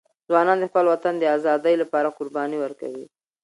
ځوانان د خپل وطن د ازادۍ لپاره قرباني ورکوي.